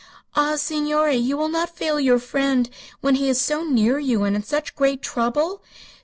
"Ah, signore, you will not fail your friend, when he is so near you and in such great trouble?